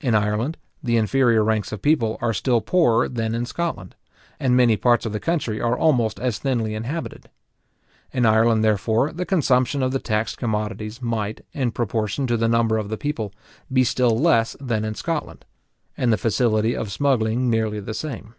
In Ireland, the inferior ranks of people are still poorer than in Scotland, and many parts of the country are almost as thinly inhabited. In Ireland, therefore, the consumption of the taxed commodities might, in proportion to the number of the people, be still less than in Scotland, and the facility of smuggling nearly the same.